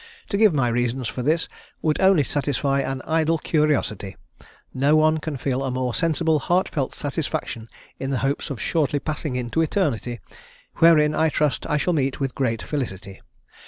To give my reasons for this would only satisfy an idle curiosity: no one can feel a more sensible, heartfelt satisfaction in the hopes of shortly passing into eternity, wherein, I trust, I shall meet with great felicity.